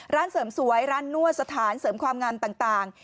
ร้านเสริมสวยร้านนวดสถานเสริมความงามต่าง